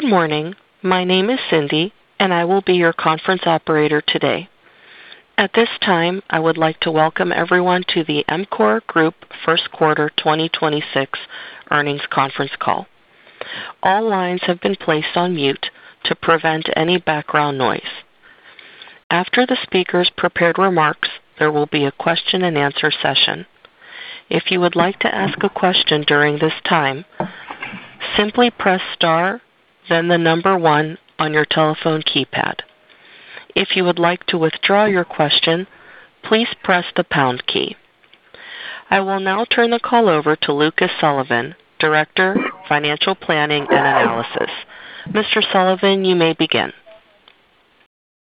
Good morning. My name is Cindy, and I will be your conference operator today. At this time, I would like to welcome everyone to the EMCOR Group Q1 2026 earnings conference call. All lines have been placed on mute to prevent any background noise. After the speakers' prepared remarks, there will be a Q&A session. If you would like to ask a question during this time, simply press star, then the one on your telephone keypad. If you would like to withdraw your question, please press the pound key. I will now turn the call over to Lucas Sullivan, Director, Financial Planning and Analysis. Mr. Sullivan, you may begin.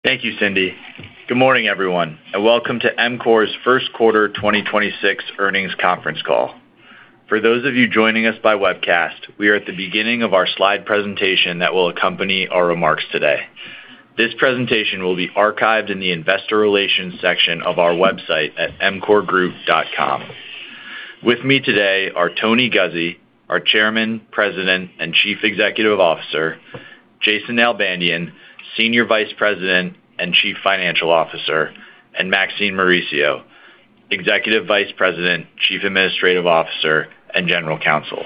Thank you, Cindy. Good morning, everyone, and welcome to EMCOR'sQ1 2026 earnings conference call. For those of you joining us by webcast, we are at the beginning of our slide presentation that will accompany our remarks today. This presentation will be archived in the investor relations section of our website at emcorgroup.com. With me today are Tony Guzzi, our Chairman, President, and Chief Executive Officer, Jason Nalbandian, Senior Vice President and Chief Financial Officer, and Maxine Mauricio, Executive Vice President, Chief Administrative Officer, and General Counsel.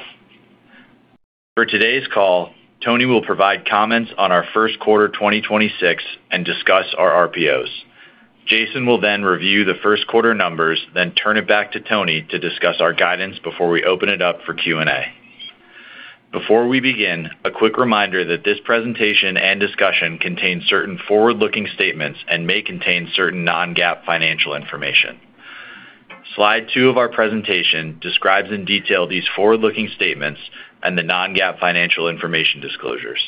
For today's call, Tony will provide comments on our Q1 2026 and discuss our RPOs. Jason will then review the Q1 numbers, then turn it back to Tony to discuss our guidance before we open it up for Q&A. Before we begin, a quick reminder that this presentation and discussion contains certain forward-looking statements and may contain certain non-GAAP financial information. Slide two of our presentation describes in detail these forward-looking statements and the non-GAAP financial information disclosures.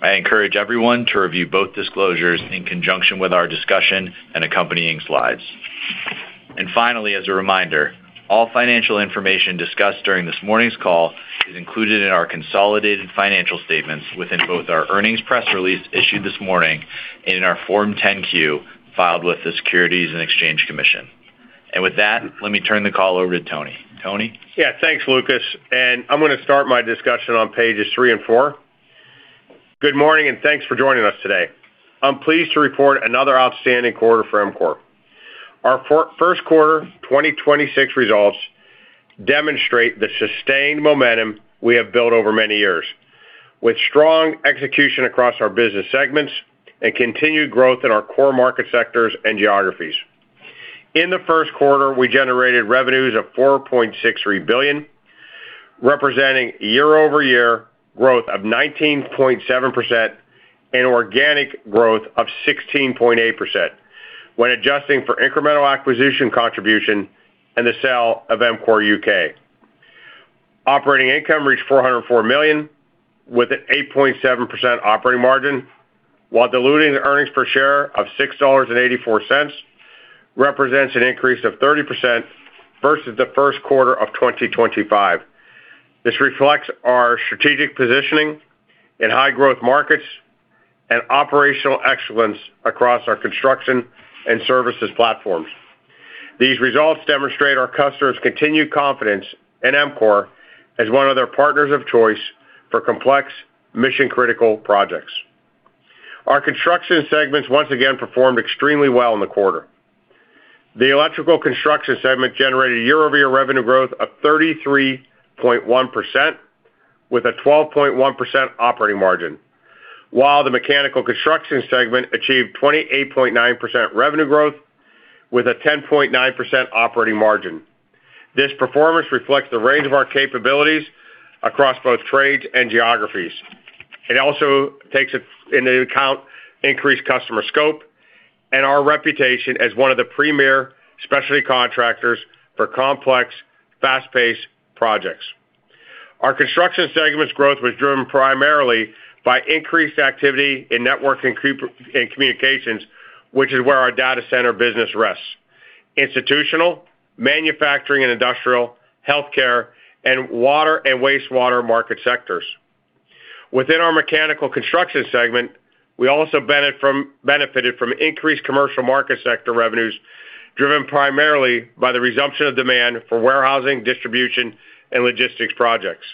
I encourage everyone to review both disclosures in conjunction with our discussion and accompanying slides. Finally, as a reminder, all financial information discussed during this morning's call is included in our consolidated financial statements within both our earnings press release issued this morning and in our Form 10-Q filed with the Securities and Exchange Commission. With that, let me turn the call over to Tony. Tony? Thanks, Lucas. I'm gonna start my discussion on pages three and four. Good morning, thanks for joining us today. I'm pleased to report another outstanding quarter for EMCOR. Our Q1 2026 results demonstrate the sustained momentum we have built over many years, with strong execution across our business segments and continued growth in our core market sectors and geographies. In the Q1, we generated revenues of $4.63 billion, representing year-over-year growth of 19.7% and organic growth of 16.8% when adjusting for incremental acquisition contribution and the sale of EMCOR U.K. Operating income reached $404 million, with an 8.7% operating margin, while diluting the earnings per share of $6.84 represents an increase of 30% versus the Q1 of 2025. This reflects our strategic positioning in high growth markets and operational excellence across our construction and services platforms. These results demonstrate our customers' continued confidence in EMCOR as one of their partners of choice for complex mission-critical projects. Our construction segments once again performed extremely well in the quarter. The electrical construction segment generated year-over-year revenue growth of 33.1% with a 12.1% operating margin, while the mechanical construction segment achieved 28.9% revenue growth with a 10.9% operating margin. This performance reflects the range of our capabilities across both trades and geographies. It also takes into account increased customer scope and our reputation as one of the premier specialty contractors for complex, fast-paced projects. Our construction segment's growth was driven primarily by increased activity in network and communications, which is where our data center business rests, institutional, manufacturing and industrial, healthcare, and water and wastewater market sectors. Within our mechanical construction segment, we also benefited from increased commercial market sector revenues driven primarily by the resumption of demand for warehousing, distribution, and logistics projects.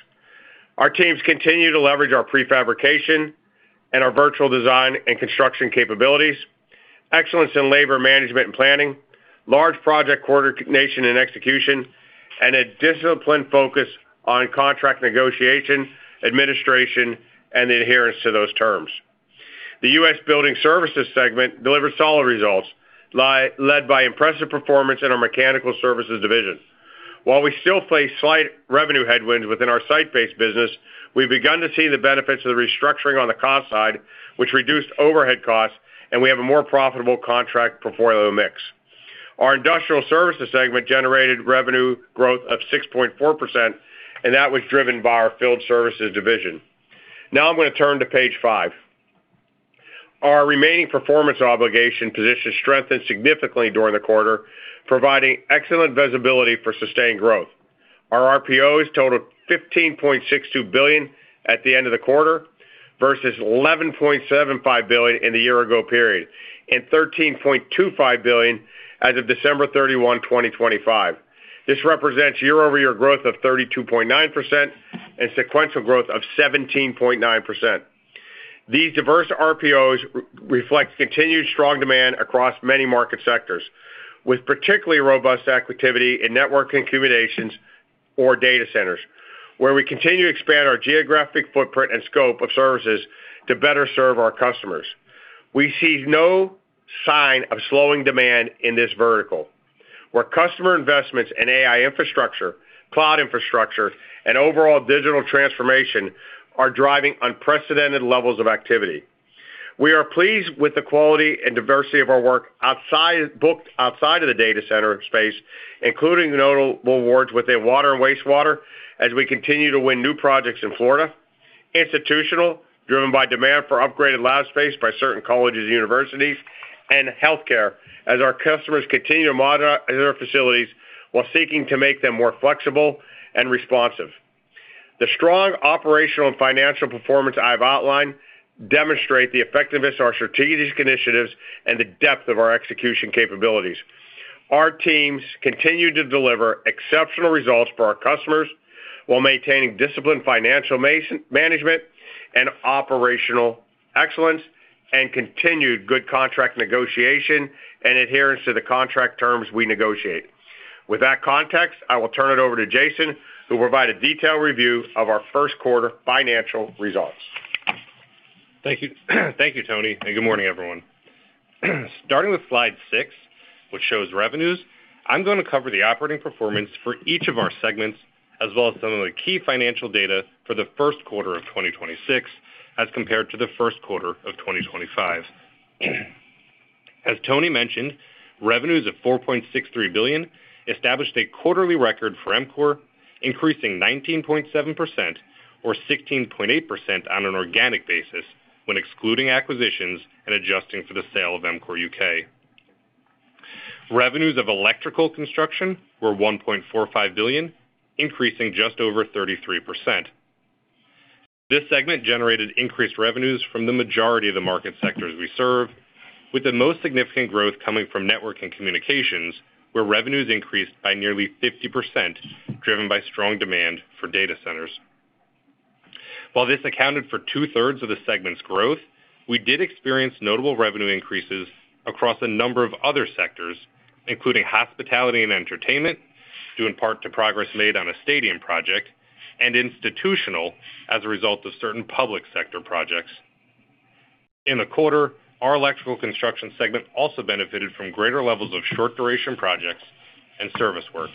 Our teams continue to leverage our prefabrication and our virtual design and construction capabilities, excellence in labor management and planning, large project coordination and execution, and a disciplined focus on contract negotiation, administration, and adherence to those terms. The U.S. building services segment delivered solid results, led by impressive performance in our mechanical services division. While we still face slight revenue headwinds within our site-based business, we've begun to see the benefits of the restructuring on the cost side, which reduced overhead costs. We have a more profitable contract portfolio mix. Our industrial services segment generated revenue growth of 6.4%. That was driven by our field services division. I'm gonna turn to page five. Our Remaining Performance Obligation position strengthened significantly during the quarter, providing excellent visibility for sustained growth. Our RPOs totaled $15.62 billion at the end of the quarter versus $11.75 billion in the year-ago period and $13.25 billion as of December 31, 2025. This represents year-over-year growth of 32.9% and sequential growth of 17.9%. These diverse RPOs reflect continued strong demand across many market sectors, with particularly robust activity in network communications or data centers, where we continue to expand our geographic footprint and scope of services to better serve our customers. We see no sign of slowing demand in this vertical, where customer investments in AI infrastructure, cloud infrastructure, and overall digital transformation are driving unprecedented levels of activity. We are pleased with the quality and diversity of our work booked outside of the data center space, including notable awards within water and wastewater as we continue to win new projects in Florida, institutional, driven by demand for upgraded lab space by certain colleges and universities, and healthcare, as our customers continue to modernize their facilities while seeking to make them more flexible and responsive. The strong operational and financial performance I've outlined demonstrate the effectiveness of our strategic initiatives and the depth of our execution capabilities. Our teams continue to deliver exceptional results for our customers while maintaining disciplined financial management and operational excellence and continued good contract negotiation and adherence to the contract terms we negotiate. With that context, I will turn it over to Jason, who will provide a detailed review of our Q1 financial results. Thank you. Tony. Good morning, everyone. Starting with slide six, which shows revenues, I'm gonna cover the operating performance for each of our segments, as well as some of the key financial data for the Q1 of 2026, as compared to the Q1 of 2025. As Tony mentioned, revenues of $4.63 billion established a quarterly record for EMCOR, increasing 19.7% or 16.8% on an organic basis when excluding acquisitions and adjusting for the sale of EMCOR U.K. Revenues of electrical construction were $1.45 billion, increasing just over 33%. This segment generated increased revenues from the majority of the market sectors we serve, with the most significant growth coming from network and communications, where revenues increased by nearly 50%, driven by strong demand for data centers. While this accounted for 2/3 of the segment's growth, we did experience notable revenue increases across a number of other sectors, including hospitality and entertainment, due in part to progress made on a stadium project, and institutional as a result of certain public sector projects. In the quarter, our electrical construction segment also benefited from greater levels of short-duration projects and service work.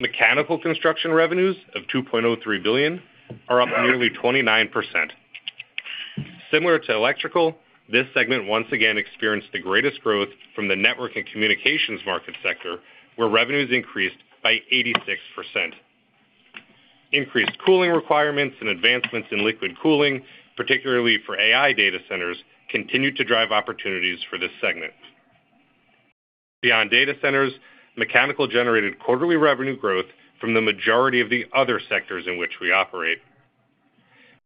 Mechanical construction revenues of $2.03 billion are up nearly 29%. Similar to electrical, this segment once again experienced the greatest growth from the network and communications market sector, where revenues increased by 86%. Increased cooling requirements and advancements in liquid cooling, particularly for AI data centers, continued to drive opportunities for this segment. Beyond data centers, mechanical generated quarterly revenue growth from the majority of the other sectors in which we operate.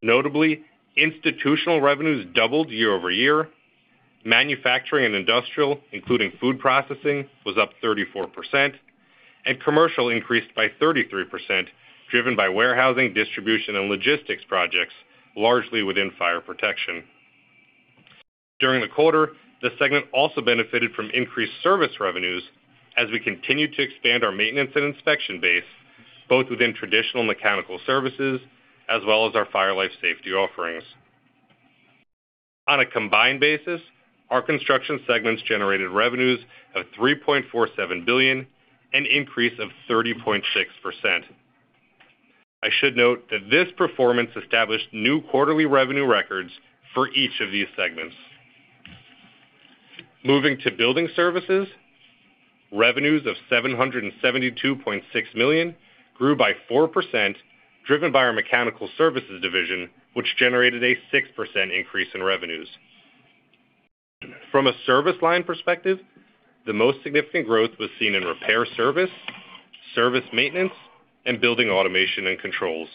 Notably, institutional revenues doubled year-over-year. Manufacturing and industrial, including food processing, was up 34%. Commercial increased by 33%, driven by warehousing, distribution, and logistics projects, largely within fire protection. During the quarter, the segment also benefited from increased service revenues as we continued to expand our maintenance and inspection base, both within traditional mechanical services as well as our fire life safety offerings. On a combined basis, our construction segments generated revenues of $3.47 billion, an increase of 30.6%. I should note that this performance established new quarterly revenue records for each of these segments. Moving to Building Services, revenues of $772.6 million grew by 4%, driven by our mechanical services division, which generated a 6% increase in revenues. From a service line perspective, the most significant growth was seen in repair service maintenance, and building automation and controls.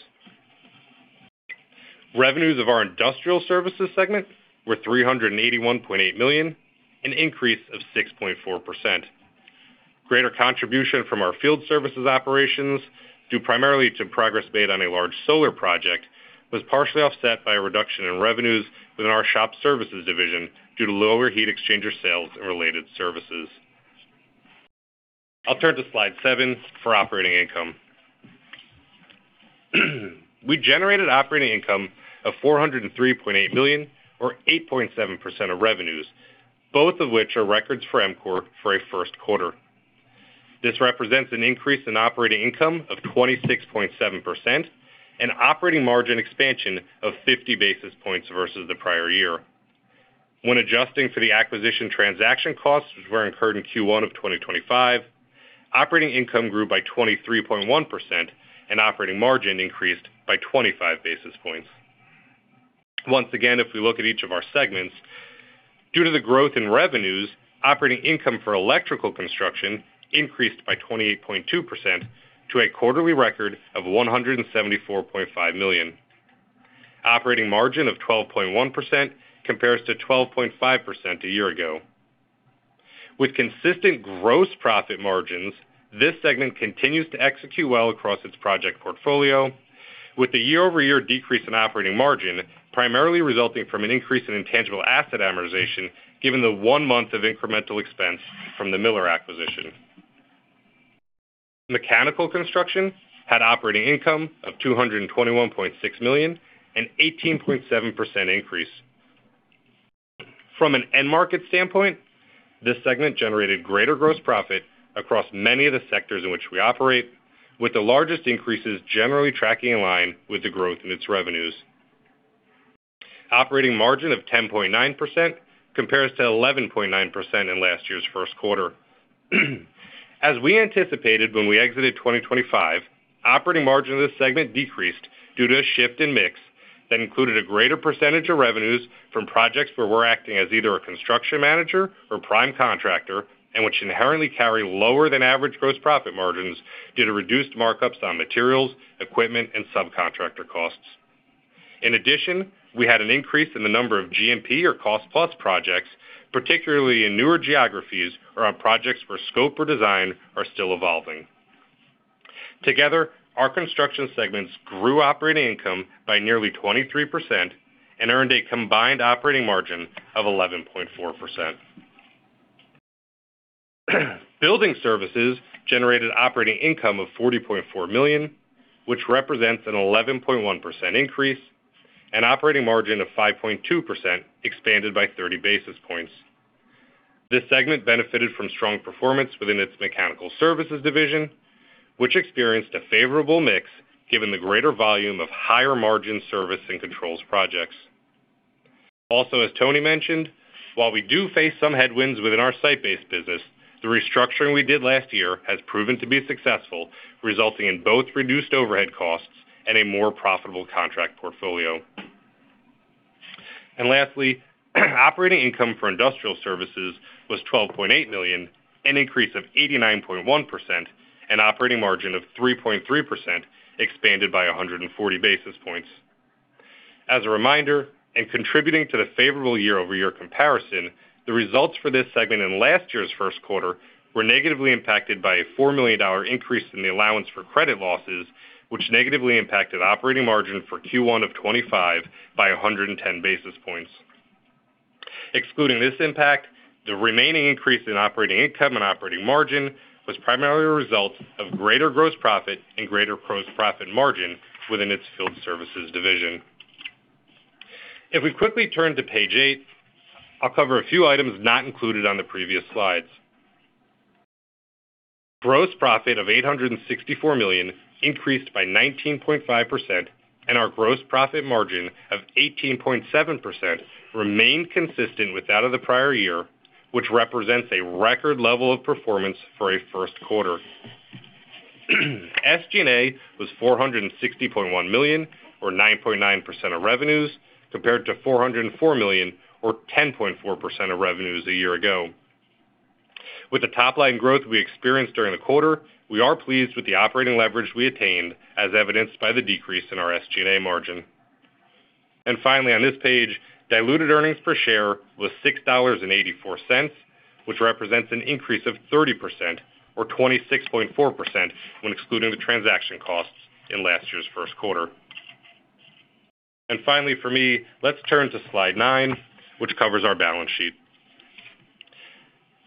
Revenues of our industrial services segment were $381.8 million, an increase of 6.4%. Greater contribution from our field services operations, due primarily to progress made on a large solar project, was partially offset by a reduction in revenues within our shop services division due to lower heat exchanger sales and related services. I'll turn to slide seven for operating income. We generated operating income of $403.8 million or 8.7% of revenues, both of which are records for EMCOR for a Q1. This represents an increase in operating income of 26.7% and operating margin expansion of 50 basis points versus the prior year. When adjusting for the acquisition transaction costs, which were incurred in Q1 of 2025, operating income grew by 23.1% and operating margin increased by 25 basis points. Once again, if we look at each of our segments, due to the growth in revenues, operating income for electrical construction increased by 28.2% to a quarterly record of $174.5 million. Operating margin of 12.1% compares to 12.5% a year ago. With consistent gross profit margins, this segment continues to execute well across its project portfolio, with the year-over-year decrease in operating margin primarily resulting from an increase in intangible asset amortization given the one month of incremental expense from the Miller acquisition. Mechanical construction had operating income of $221.6 million, an 18.7% increase. From an end market standpoint, this segment generated greater gross profit across many of the sectors in which we operate, with the largest increases generally tracking in line with the growth in its revenues. Operating margin of 10.9% compares to 11.9% in last year's Q1. As we anticipated when we exited 2025, operating margin of this segment decreased due to a shift in mix that included a greater percentage of revenues from projects where we're acting as either a construction manager or prime contractor, and which inherently carry lower-than-average gross profit margins due to reduced markups on materials, equipment, and subcontractor costs. In addition, we had an increase in the number of GMP or cost plus projects, particularly in newer geographies or on projects where scope or design are still evolving. Together, our construction segments grew operating income by nearly 23% and earned a combined operating margin of 11.4%. Building services generated operating income of $40.4 million, which represents an 11.1% increase, and operating margin of 5.2% expanded by 30 basis points. This segment benefited from strong performance within its mechanical services division, which experienced a favorable mix given the greater volume of higher margin service and controls projects. Also, as Tony mentioned, while we do face some headwinds within our site-based business, the restructuring we did last year has proven to be successful, resulting in both reduced overhead costs and a more profitable contract portfolio. Lastly, operating income for industrial services was $12.8 million, an increase of 89.1%, and operating margin of 3.3% expanded by 140 basis points. A reminder, in contributing to the favorable year-over-year comparison, the results for this segment in last year's Q1 were negatively impacted by a $4 million increase in the allowance for credit losses, which negatively impacted operating margin for Q1 of 2025 by 110 basis points. Excluding this impact, the remaining increase in operating income and operating margin was primarily a result of greater gross profit and greater gross profit margin within its field services division. We quickly turn to page eight, I'll cover a few items not included on the previous slides. Gross profit of $864 million increased by 19.5%, and our gross profit margin of 18.7% remained consistent with that of the prior year, which represents a record level of performance for a Q1. SG&A was $460.1 million, or 9.9% of revenues, compared to $404 million, or 10.4% of revenues a year ago. With the top line growth we experienced during the quarter, we are pleased with the operating leverage we attained as evidenced by the decrease in our SG&A margin. Finally, on this page, diluted earnings per share was $6.84, which represents an increase of 30% or 26.4% when excluding the transaction costs in last year's Q1. Finally for me, let's turn to slide nine, which covers our balance sheet.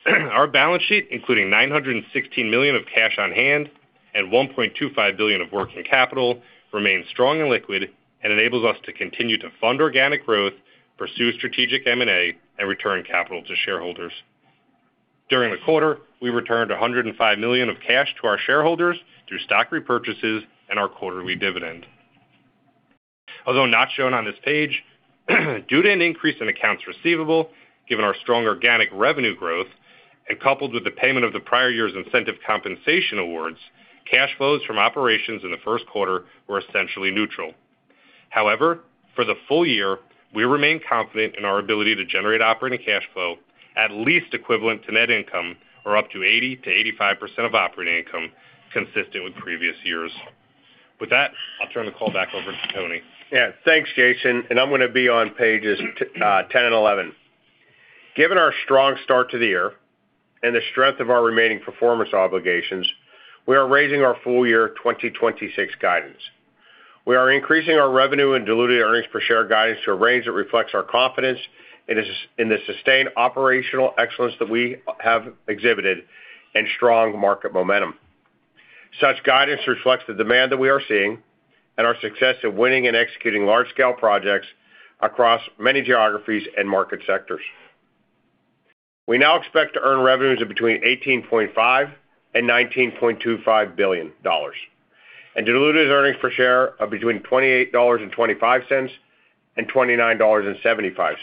Our balance sheet, including $916 million of cash on hand and $1.25 billion of working capital, remains strong and liquid and enables us to continue to fund organic growth, pursue strategic M&A, and return capital to shareholders. During the quarter, we returned $105 million of cash to our shareholders through stock repurchases and our quarterly dividend. Although not shown on this page, due to an increase in accounts receivable, given our strong organic revenue growth and coupled with the payment of the prior year's incentive compensation awards, cash flows from operations in the Q1 were essentially neutral. However, for the full year, we remain confident in our ability to generate operating cash flow at least equivalent to net income or up to 80%-85% of operating income, consistent with previous years. With that, I'll turn the call back over to Tony. Thanks, Jason. I'm going to be on pages 10 and 11. Given our strong start to the year and the strength of our remaining performance obligations, we are raising our full year 2026 guidance. We are increasing our revenue and diluted earnings per share guidance to a range that reflects our confidence in the sustained operational excellence that we have exhibited and strong market momentum. Such guidance reflects the demand that we are seeing and our success at winning and executing large-scale projects across many geographies and market sectors. We now expect to earn revenues of between $18.5 billion-$19.25 billion, and diluted earnings per share of between $28.25-$29.75.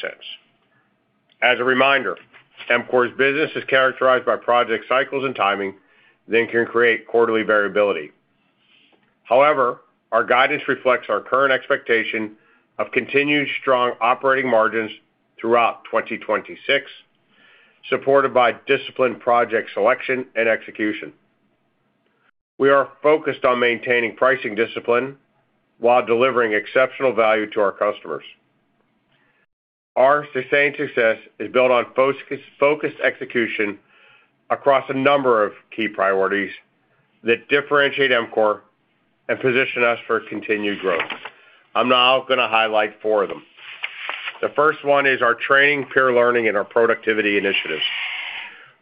As a reminder, EMCOR's business is characterized by project cycles and timing that can create quarterly variability. Our guidance reflects our current expectation of continued strong operating margins throughout 2026, supported by disciplined project selection and execution. We are focused on maintaining pricing discipline while delivering exceptional value to our customers. Our sustained success is built on focus, focused execution across a number of key priorities that differentiate EMCOR and position us for continued growth. I'm now going to highlight four of them. The first one is our training, peer learning, and our productivity initiatives.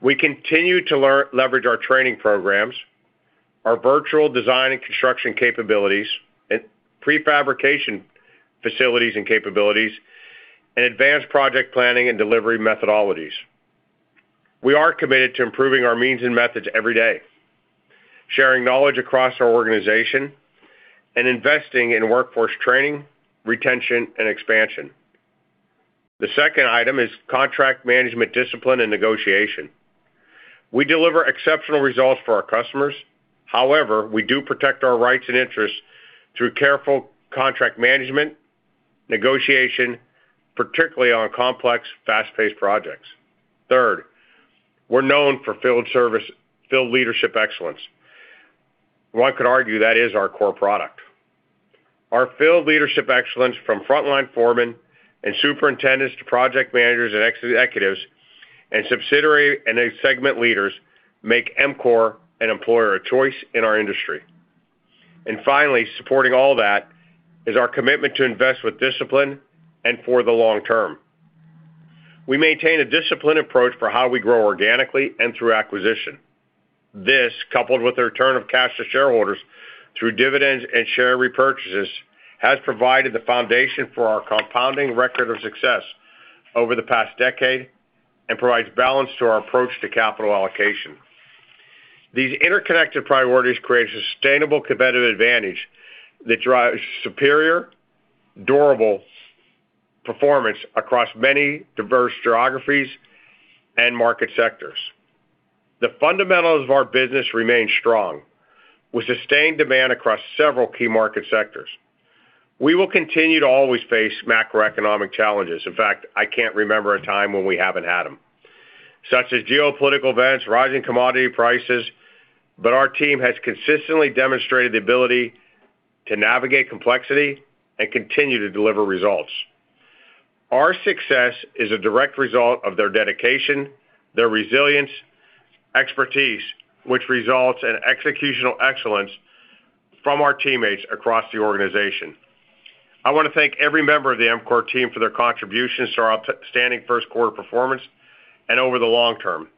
We continue to leverage our training programs, our Virtual Design and Construction capabilities, and prefabrication facilities and capabilities, and advanced project planning and delivery methodologies. We are committed to improving our means and methods every day, sharing knowledge across our organization, and investing in workforce training, retention, and expansion. The second item is contract management discipline and negotiation. We deliver exceptional results for our customers. However, we do protect our rights and interests through careful contract management negotiation, particularly on complex, fast-paced projects. Third, we're known for field leadership excellence. One could argue that is our core product. Our field leadership excellence from frontline foremen and superintendents to project managers and executives and subsidiary and segment leaders make EMCOR an employer of choice in our industry. Finally, supporting all that is our commitment to invest with discipline and for the long term. We maintain a disciplined approach for how we grow organically and through acquisition. This, coupled with the return of cash to shareholders through dividends and share repurchases, has provided the foundation for our compounding record of success over the past decade and provides balance to our approach to capital allocation. These interconnected priorities create sustainable competitive advantage that drives superior, durable performance across many diverse geographies and market sectors. The fundamentals of our business remain strong, with sustained demand across several key market sectors. We will continue to always face macroeconomic challenges. In fact, I can't remember a time when we haven't had them, such as geopolitical events, rising commodity prices. Our team has consistently demonstrated the ability to navigate complexity and continue to deliver results. Our success is a direct result of their dedication, their resilience, expertise, which results in executional excellence from our teammates across the organization. I wanna thank every member of the EMCOR team for their contributions to our outstanding Q1 performance and over the long term,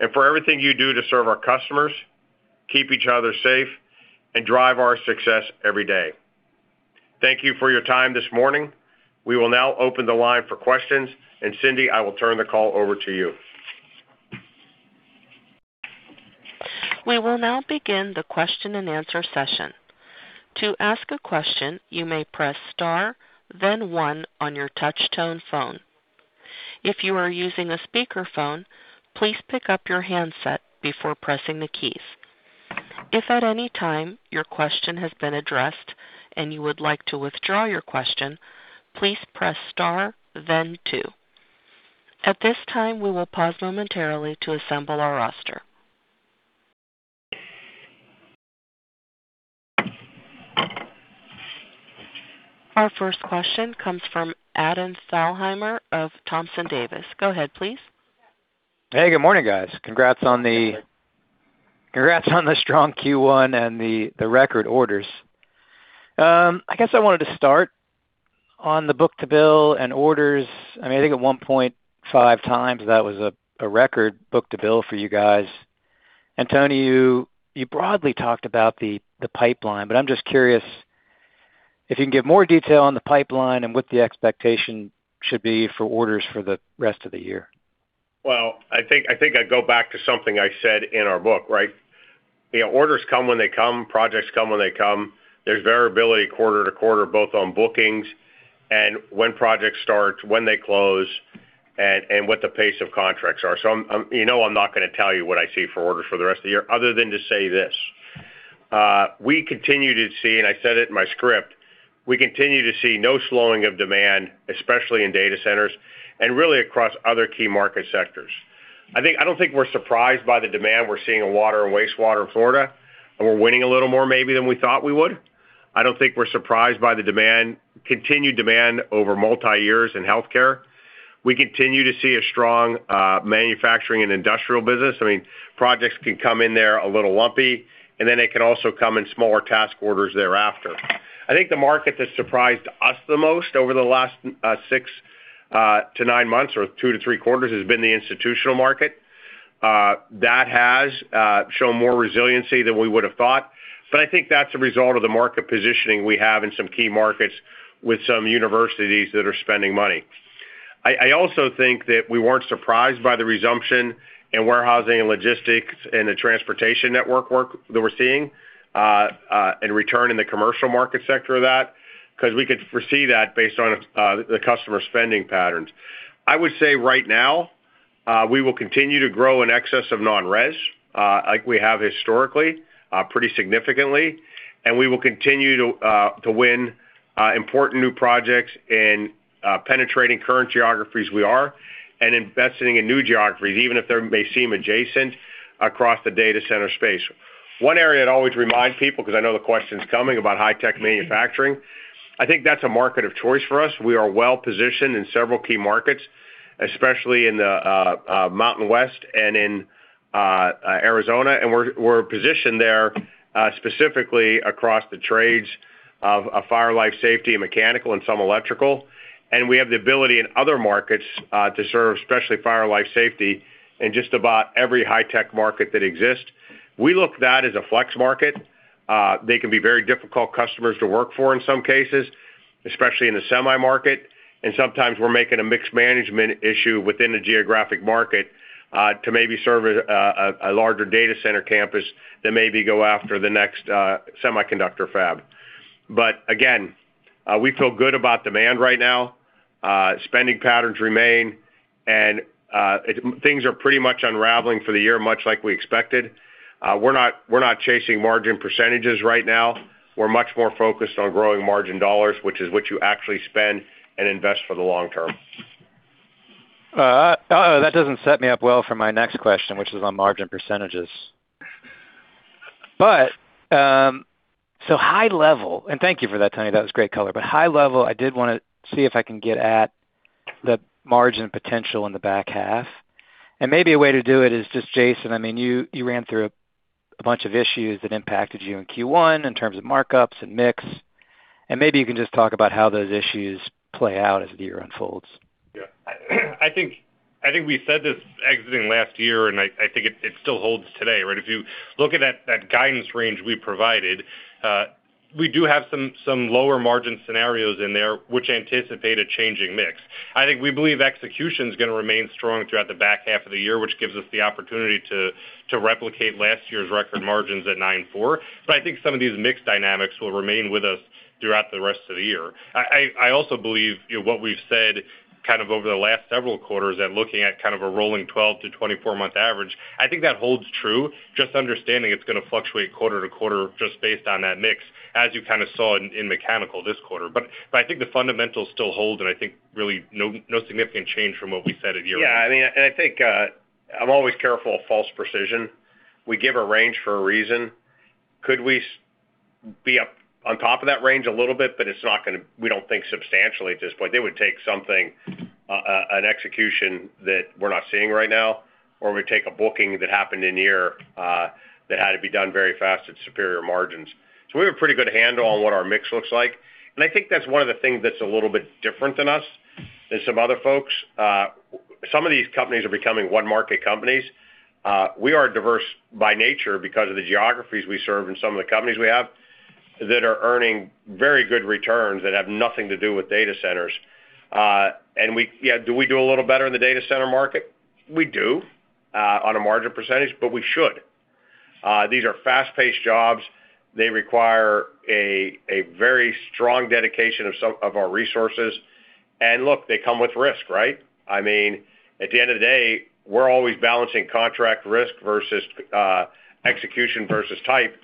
and for everything you do to serve our customers, keep each other safe, and drive our success every day. Thank you for your time this morning. We will now open the line for questions. Cindy, I will turn the call over to you. We will now begin the Q&A session. To ask a question, you may press star, then one on your touch tone phone. If you are using a speakerphone, please pick up your handset before pressing the keys. If at any time your question has been addressed and you would like to withdraw your question, please press star then two. At this time, we will pause momentarily to assemble our roster. Our first question comes from Adam Thalhimer of Thompson Davis & Co. Go ahead, please. Hey, good morning, guys. Congrats on the strong Q1 and the record orders. I guess I wanted to start on the book-to-bill and orders. I mean, I think at 1.5x that was a record book-to-bill for you guys. Tony, you broadly talked about the pipeline, but I'm just curious if you can give more detail on the pipeline and what the expectation should be for orders for the rest of the year. Well, I think I go back to something I said in our book, right? You know, orders come when they come, projects come when they come. There's variability quarter-to-quarter, both on bookings and when projects start, when they close, and what the pace of contracts are. You know I'm not gonna tell you what I see for orders for the rest of the year other than to say this: We continue to see, and I said it in my script, we continue to see no slowing of demand, especially in data centers and really across other key market sectors. I don't think we're surprised by the demand we're seeing in water and wastewater in Florida, and we're winning a little more maybe than we thought we would. I don't think we're surprised by the demand, continued demand over multi-years in healthcare. We continue to see a strong manufacturing and industrial business. I mean, projects can come in there a little lumpy, and then they can also come in smaller task orders thereafter. I think the market that surprised us the most over the last six to nine months or two or three quarters has been the institutional market. That has shown more resiliency than we would have thought. I think that's a result of the market positioning we have in some key markets with some universities that are spending money. I also think that we weren't surprised by the resumption in warehousing and logistics and the transportation network work that we're seeing, and return in the commercial market sector of that, 'cause we could foresee that based on the customer spending patterns. We will continue to grow in excess of non-res, like we have historically, pretty significantly. We will continue to win important new projects in penetrating current geographies we are and investing in new geographies, even if they're may seem adjacent across the data center space. One area I'd always remind people, 'cause I know the question's coming about high-tech manufacturing. I think that's a market of choice for us. We are well-positioned in several key markets, especially in the Mountain West and in Arizona. We're positioned there specifically across the trades of fire life safety and mechanical and some electrical. We have the ability in other markets to serve, especially fire life safety in just about every high-tech market that exists. We look that as a flex market. They can be very difficult customers to work for in some cases, especially in the semi market. Sometimes we're making a mixed management issue within a geographic market to maybe serve a larger data center campus than maybe go after the next semiconductor fab. Again, we feel good about demand right now. Spending patterns remain and things are pretty much unraveling for the year, much like we expected. We're not chasing margin percentages right now. We're much more focused on growing margin dollars, which is what you actually spend and invest for the long term. That doesn't set me up well for my next question, which is on margin percentages. Thank you for that, Tony. That was great color. High level, I did want to see if I can get at the margin potential in the back half. Maybe a way to do it is just, Jason, I mean, you ran through a bunch of issues that impacted you in Q1 in terms of markups and mix, and maybe you can just talk about how those issues play out as the year unfolds. I think, I think we said this exiting last year, and I think it still holds today, right? If you look at that guidance range we provided, we do have some lower margin scenarios in there which anticipate a changing mix. I think we believe execution's gonna remain strong throughout the back half of the year, which gives us the opportunity to replicate last year's record margins at 9.4%. I think some of these mix dynamics will remain with us throughout the rest of the year. I, I also believe, you know, what we've said kind of over the last several quarters and looking at kind of a rolling 12-month-24-month average, I think that holds true. Just understanding it's gonna fluctuate quarter-to-quarter just based on that mix, as you kind of saw in mechanical this quarter. I think the fundamentals still hold, and I think really no significant change from what we said one year ago. Yeah. I mean, I think, I'm always careful of false precision. We give a range for a reason. Could we be up on top of that range a little bit? It's not gonna. We don't think substantially at this point. It would take something, an execution that we're not seeing right now, or we take a booking that happened in a year that had to be done very fast at superior margins. We have a pretty good handle on what our mix looks like, and I think that's one of the things that's a little bit different than us than some other folks. Some of these companies are becoming one-market companies. We are diverse by nature because of the geographies we serve and some of the companies we have that are earning very good returns that have nothing to do with data centers. Do we do a little better in the data center market? We do, on a margin percentage, but we should. These are fast-paced jobs. They require a very strong dedication of some of our resources. Look, they come with risk, right? I mean, at the end of the day, we're always balancing contract risk versus execution versus type,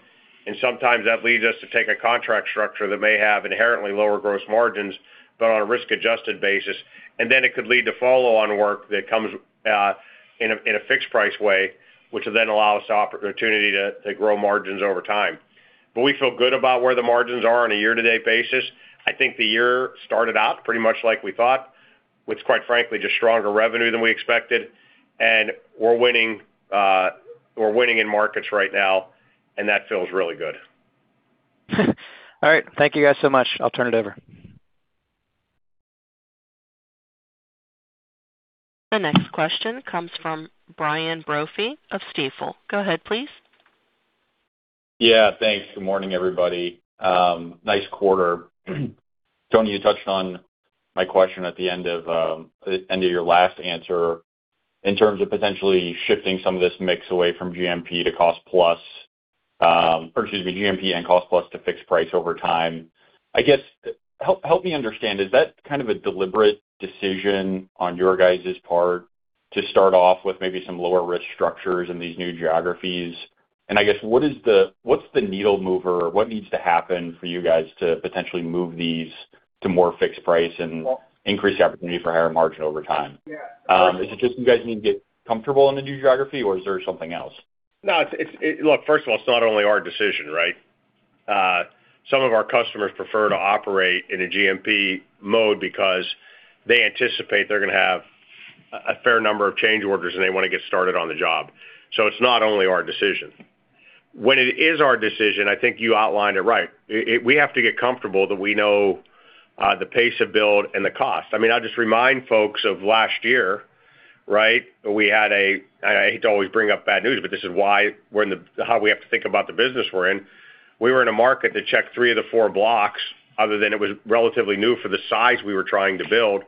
and sometimes that leads us to take a contract structure that may have inherently lower gross margins but on a risk-adjusted basis. Then it could lead to follow-on work that comes in a fixed price way, which will then allow us the opportunity to grow margins over time. We feel good about where the margins are on a year-to-date basis. I think the year started out pretty much like we thought, with quite frankly, just stronger revenue than we expected. We're winning in markets right now, and that feels really good. All right. Thank you guys so much. I'll turn it over. The next question comes from Brian Brophy of Stifel. Go ahead, please. Yeah. Thanks. Good morning, everybody. Nice quarter. Tony, you touched on my question at the end of your last answer in terms of potentially shifting some of this mix away from GMP to cost plus, or excuse me, GMP and cost plus to fixed price over time. I guess, help me understand, is that kind of a deliberate decision on your guys' part to start off with maybe some lower-risk structures in these new geographies? I guess, what's the needle mover? What needs to happen for you guys to potentially move these to more fixed price and increase the opportunity for higher margin over time? Is it just you guys need to get comfortable in the new geography, or is there something else? No, it's, Look, first of all, it's not only our decision, right? Some of our customers prefer to operate in a GMP mode because they anticipate they're gonna have a fair number of change orders, and they wanna get started on the job. It's not only our decision. When it is our decision, I think you outlined it right. It, we have to get comfortable that we know the pace of build and the cost. I mean, I'll just remind folks of last year, right? I hate to always bring up bad news, but this is why we have to think about the business we're in. We were in a market that checked three of the four blocks, other than it was relatively new for the size we were trying to build.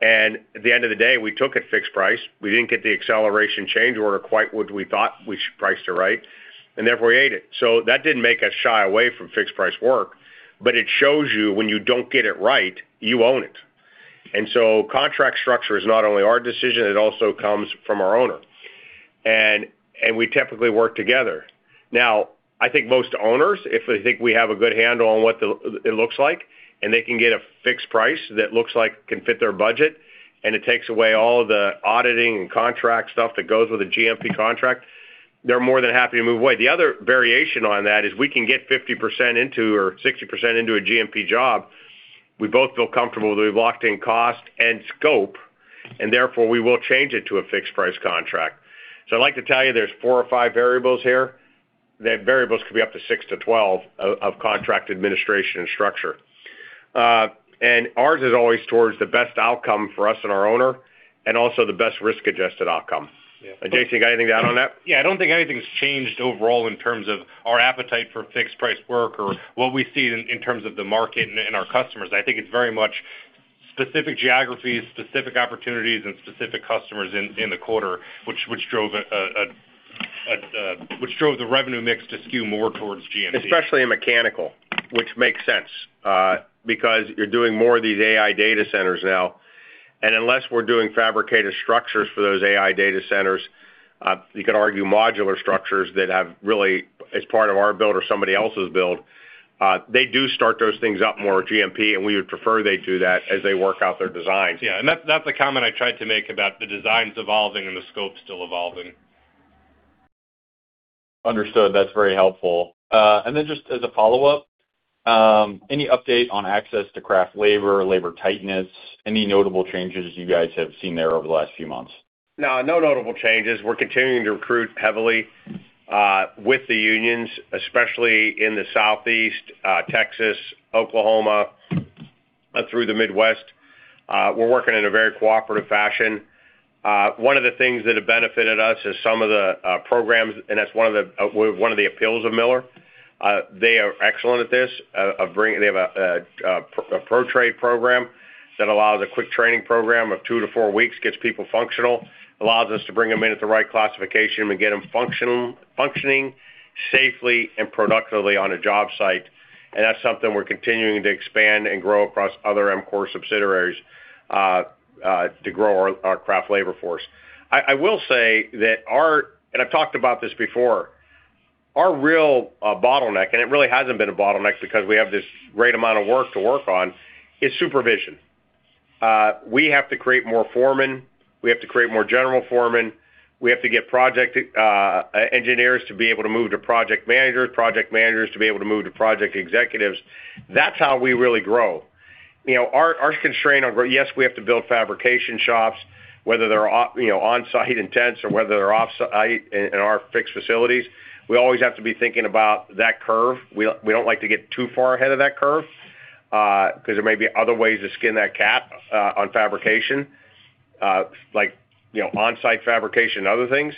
At the end of the day, we took it fixed price. We didn't get the acceleration change order quite what we thought we priced it right, and therefore we ate it. That didn't make us shy away from fixed price work, but it shows you when you don't get it right, you own it. Contract structure is not only our decision, it also comes from our owner. We typically work together. Now, I think most owners, if they think we have a good handle on what it looks like, and they can get a fixed price that looks like can fit their budget, and it takes away all the auditing and contract stuff that goes with a GMP contract, they're more than happy to move away. The other variation on that is we can get 50% into or 60% into a GMP job. We both feel comfortable that we've locked in cost and scope, and therefore, we will change it to a fixed price contract. I'd like to tell you there's four or five variables here. The variables could be up to six to 12 of contract administration and structure. Ours is always towards the best outcome for us and our owner, and also the best risk-adjusted outcome. Yeah. Jason, you got anything to add on that? Yeah. I don't think anything's changed overall in terms of our appetite for fixed price work or what we see in terms of the market and our customers. I think it's very much specific geographies, specific opportunities, and specific customers in the quarter, which drove the revenue mix to skew more towards GMP. Especially in mechanical, which makes sense, because you're doing more of these AI data centers now. Unless we're doing fabricated structures for those AI data centers, you could argue modular structures that have really, as part of our build or somebody else's build, they do start those things up more with GMP, and we would prefer they do that as they work out their designs. Yeah. That's a comment I tried to make about the designs evolving and the scope still evolving. Understood. That's very helpful. Just as a follow-up, any update on access to craft labor tightness, any notable changes you guys have seen there over the last few months? No notable changes. We're continuing to recruit heavily with the unions, especially in the Southeast, Texas, Oklahoma, through the Midwest. We're working in a very cooperative fashion. One of the things that have benefited us is some of the programs, and that's one of the appeals of Miller. They are excellent at this. They have a pro trade program that allows a quick training program of two-four weeks, gets people functional. Allows us to bring them in at the right classification. We get them functioning safely and productively on a job site. That's something we're continuing to expand and grow across other core subsidiaries to grow our craft labor force. I will say that our, and I've talked about this before, our real bottleneck, and it really hasn't been a bottleneck because we have this great amount of work to work on, is supervision. We have to create more foremen. We have to create more general foremen. We have to get project engineers to be able to move to project managers, project managers to be able to move to project executives. That's how we really grow. You know, our constraint on grow, yes, we have to build fabrication shops, whether they're, you know, on-site in tents or whether they're in our fixed facilities. We always have to be thinking about that curve. We don't like to get too far ahead of that curve, 'cause there may be other ways to skin that cat, on fabrication, like, you know, on-site fabrication and other things.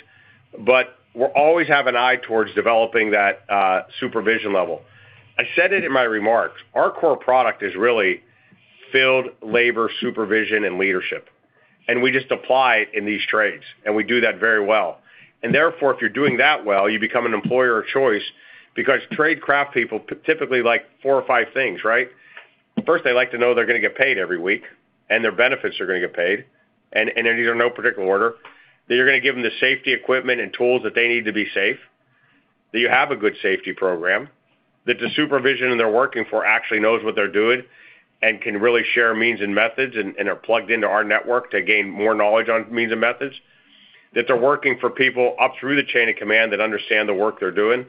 We always have an eye towards developing that supervision level. I said it in my remarks, our core product is really field labor supervision and leadership, and we just apply it in these trades, and we do that very well. Therefore, if you're doing that well, you become an employer of choice because trade craft people typically like four or five things, right? First, they like to know they're gonna get paid every week and their benefits are gonna get paid. In no particular order, that you're gonna give them the safety equipment and tools that they need to be safe. That you have a good safety program. That the supervision they're working for actually knows what they're doing and can really share means and methods and are plugged into our network to gain more knowledge on means and methods. That they're working for people up through the chain of command that understand the work they're doing.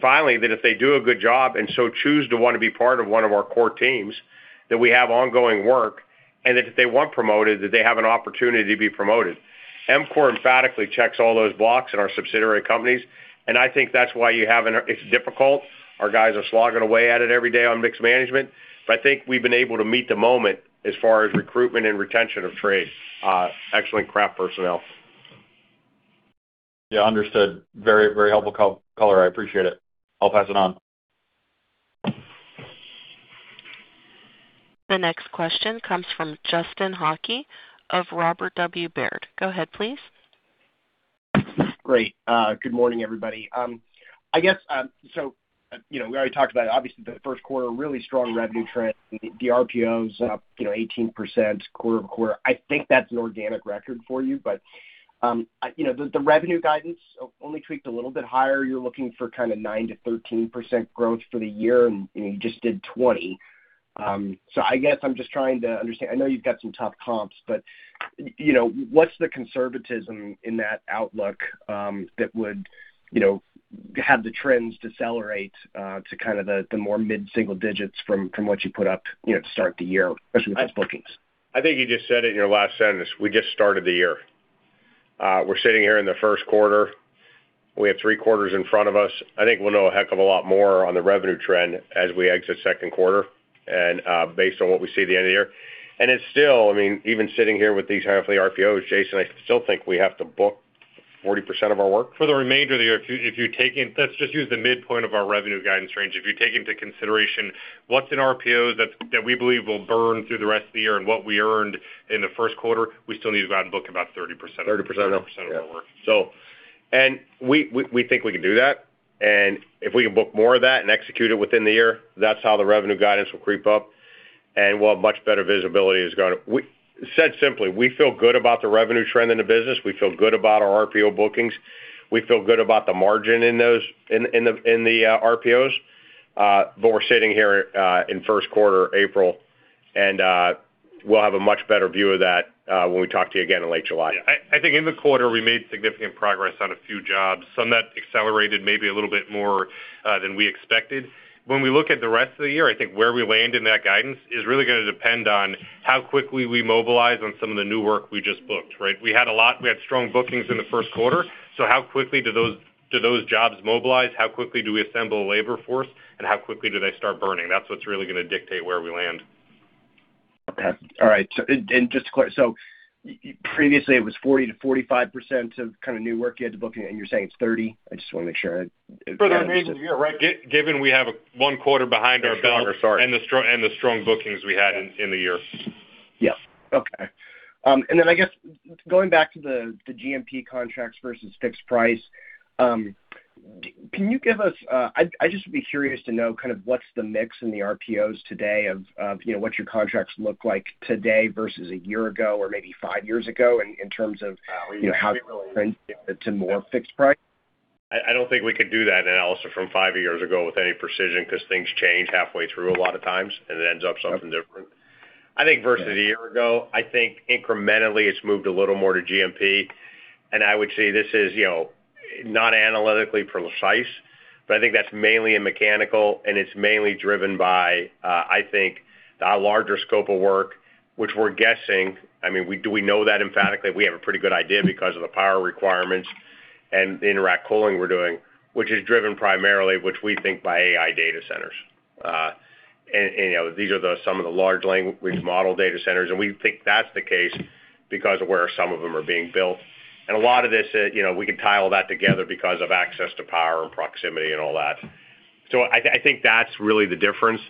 Finally, that if they do a good job and so choose to want to be part of one of our core teams, that we have ongoing work, and if they want promoted, that they have an opportunity to be promoted. EMCOR emphatically checks all those blocks in our subsidiary companies. I think that's why. It's difficult. Our guys are slogging away at it every day on mixed management, but I think we've been able to meet the moment as far as recruitment and retention of trade, excellent craft personnel. Yeah, understood. Very helpful co-color. I appreciate it. I'll pass it on. The next question comes from Justin Hauke of Robert W. Baird. Go ahead, please. Great. Good morning, everybody. I guess, so, you know, we already talked about obviously the Q1, really strong revenue trend. The RPOs up, you know, 18% quarter-over-quarter. I think that's an organic record for you. The revenue guidance only tweaked a little bit higher. You're looking for kinda 9%-13% growth for the year, and, you know, you just did 20%. I guess I'm just trying to understand. I know you've got some tough comps, but, you know, what's the conservatism in that outlook, that would, you know, have the trends decelerate to kind of the more mid-single digits from what you put up, you know, to start the year, especially with those bookings? I think you just said it in your last sentence. We just started the year. We're sitting here in the Q1. We have three quarters in front of us. I think we'll know a heck of a lot more on the revenue trend as we exit Q2 and, based on what we see at the end of the year. It's still, I mean, even sitting here with these halfway RPOs, Jason, I still think we have to book 40% of our work. For the remainder of the year, Let's just use the midpoint of our revenue guidance range. If you take into consideration what's in RPOs that we believe will burn through the rest of the year and what we earned in the Q1, we still need to go out and book about 30%. 30%, yeah. Of our work. We think we can do that. If we can book more of that and execute it within the year, that's how the revenue guidance will creep up. We'll have much better visibility. Said simply, we feel good about the revenue trend in the business. We feel good about our RPO bookings. We feel good about the margin in those, in the RPOs. We're sitting here in Q1, April, and we'll have a much better view of that when we talk to you again in late July. Yeah. I think in the quarter, we made significant progress on a few jobs, some that accelerated maybe a little bit more than we expected. When we look at the rest of the year, I think where we land in that guidance is really gonna depend on how quickly we mobilize on some of the new work we just booked, right? We had strong bookings in the Q1. How quickly do those jobs mobilize? How quickly do we assemble a labor force? How quickly do they start burning? That's what's really gonna dictate where we land. Okay. All right. And just to clarify. Previously, it was 40%-45% of new work you had to book, and you're saying it's 30%? I just wanna make sure that. For that range, you're right. Given we have one quarter behind our belt. Sorry. The strong bookings we had in the year. Yes. Okay. Then I guess going back to the GMP contracts versus fixed price, can you give us, I'd just be curious to know kind of what's the mix in the RPOs today of, you know, what your contracts look like today versus a year ago or maybe five years ago in terms of, you know, how they've trended to more fixed price. I don't think we could do that analysis from five years ago with any precision because things change halfway through a lot of times, and it ends up something different. I think versus a year ago, I think incrementally it's moved a little more to GMP, and I would say this is, you know, not analytically precise, but I think that's mainly in mechanical, and it's mainly driven by, I think the larger scope of work, which we're guessing. I mean, do we know that emphatically? We have a pretty good idea because of the power requirements and the interact cooling we're doing, which is driven primarily, which we think, by AI data centers. And, you know, these are some of the large language model data centers, and we think that's the case because of where some of them are being built. A lot of this, you know, we can tie all that together because of access to power and proximity and all that. I think that's really the difference.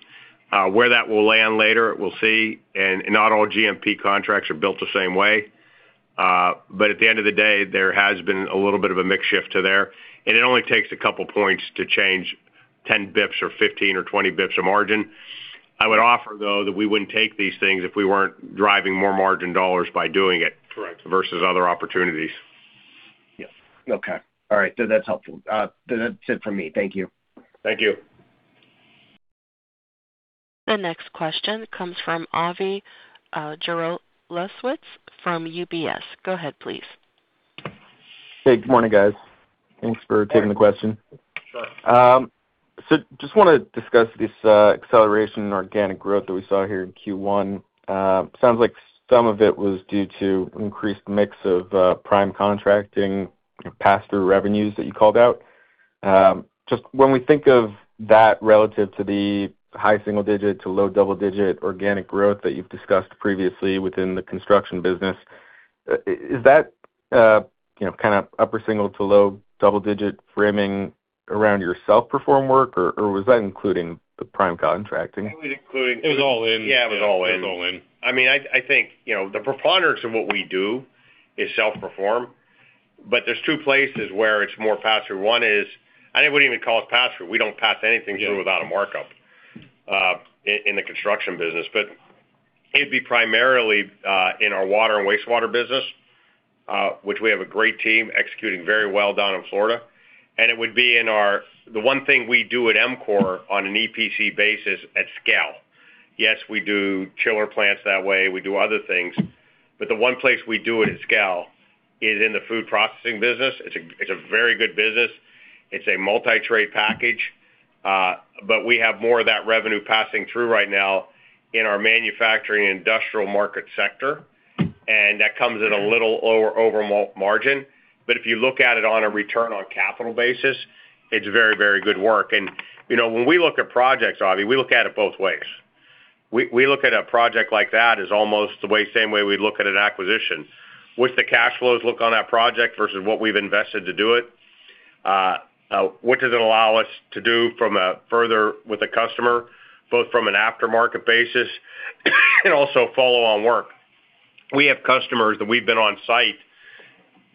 Where that will land later, we'll see. Not all GMP contracts are built the same way. At the end of the day, there has been a little bit of a mix shift to there, and it only takes a couple points to change 10 basis points or 15 or 20 basis points of margin. I would offer, though, that we wouldn't take these things if we weren't driving more margin dollars by doing it. Correct. Versus other opportunities. Yes. Okay. All right. That's helpful. That's it for me. Thank you. Thank you. The next question comes from Avi Jaroslawicz from UBS. Go ahead, please. Hey. Good morning, guys. Thanks for taking the question. Sure. Just wanna discuss this acceleration in organic growth that we saw here in Q1. Sounds like some of it was due to increased mix of prime contracting and pass-through revenues that you called out. Just when we think of that relative to the high single-digit to low double-digit organic growth that you've discussed previously within the construction business, is that, you know, kind of upper single-digit to low double-digit framing around your self-perform work, or was that including the prime contracting? It was including- It was all in. Yeah, it was all in. It was all in. I mean, I think, you know, the preponderance of what we do is self-perform, but there's two places where it's more pass-through. One is I wouldn't even call it pass-through. We don't pass anything through without a markup in the construction business. It'd be primarily in our water and wastewater business, which we have a great team executing very well down in Florida, and it would be in our the one thing we do at EMCOR on an EPC basis at scale. Yes, we do chiller plants that way, we do other things, but the one place we do it at scale is in the food processing business. It's a very good business. It's a multi-trade package, we have more of that revenue passing through right now in our manufacturing and industrial market sector, and that comes at a little lower over margin. If you look at it on a return on capital basis, it's very good work. You know, when we look at projects, Avi, we look at it both ways. We look at a project like that as almost the same way we look at an acquisition. What's the cash flows look on that project versus what we've invested to do it? What does it allow us to do from a further with a customer, both from an aftermarket basis and also follow on work? We have customers that we've been on site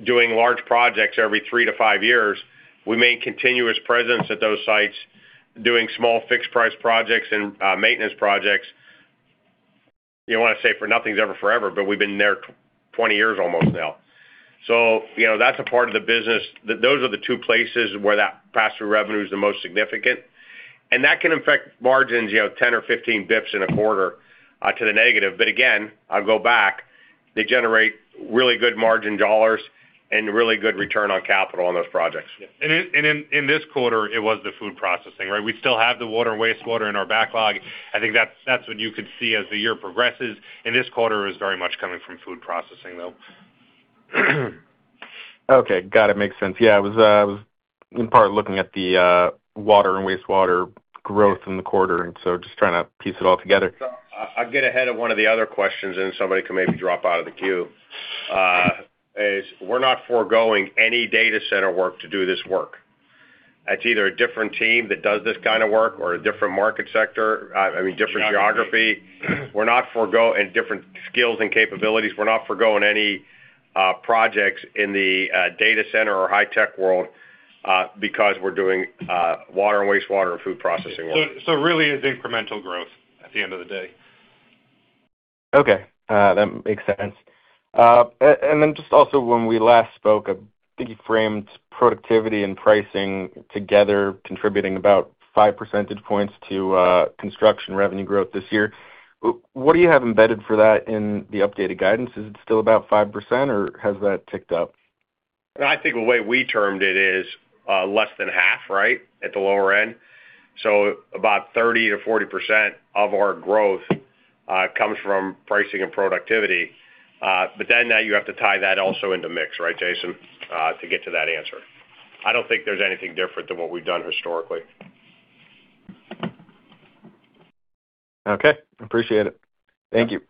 doing large projects every three to five years. We made continuous presence at those sites doing small fixed price projects and maintenance projects. You wanna say for nothing's ever forever, but we've been there 20 years almost now. You know, that's a part of the business. Those are the two places where that pass-through revenue is the most significant. That can affect margins, you know, 10 or 15 basis points in a quarter to the negative. Again, I'll go back, they generate really good margin dollars and really good return on capital on those projects. In this quarter, it was the food processing, right? We still have the water and wastewater in our backlog. I think that's when you could see as the year progresses. In this quarter, it was very much coming from food processing, though. Okay. Got it. Makes sense. Yeah, I was in part looking at the water and wastewater growth in the quarter, and so just trying to piece it all together. I'll get ahead of one of the other questions, and somebody can maybe drop out of the queue. We're not foregoing any data center work to do this work. That's either a different team that does this kind of work or a different market sector, I mean, different geography and different skills and capabilities. We're not foregoing any projects in the data center or high tech world because we're doing water and wastewater and food processing work. Really it's incremental growth at the end of the day. Okay. That makes sense. Then just also when we last spoke, I think you framed productivity and pricing together contributing about five percentage points to construction revenue growth this year. What do you have embedded for that in the updated guidance? Is it still about 5%, or has that ticked up? I think the way we termed it is, less than half, right, at the lower end. About 30%-40% of our growth comes from pricing and productivity. Now you have to tie that also into mix, right, Jason, to get to that answer. I don't think there's anything different than what we've done historically. Okay. Appreciate it. Thank you.